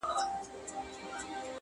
ما در کړي د اوربشو انعامونه،